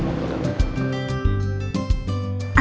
anting gitu ada sambil berbicara